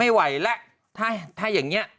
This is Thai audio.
ไม่ไหวแล้วถ้าอย่างนี้